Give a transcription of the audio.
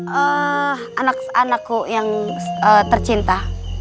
eee anakku yang tercinta